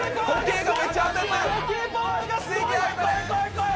こい！